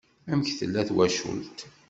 Amek tella twacult?